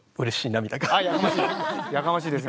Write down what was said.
やかましいですよ